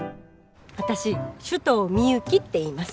私首藤ミユキっていいます。